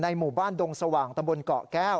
หมู่บ้านดงสว่างตำบลเกาะแก้ว